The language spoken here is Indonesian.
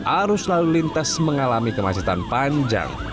arus lalu lintas mengalami kemacetan panjang